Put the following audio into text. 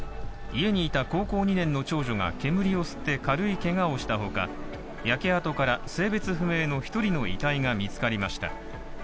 家にいた高校２年の長女が煙を吸って軽いけがをしたほか焼け跡から性別不明の１人の遺体が見つかりました。